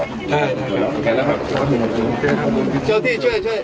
ครับแล้วกันลูกพลเสร็จแล้วที่นี้เนี้ยให้ให้ลูกพล